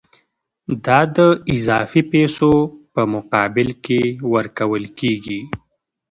دا د اضافي پیسو په مقابل کې ورکول کېږي